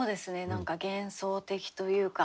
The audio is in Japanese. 何か幻想的というか。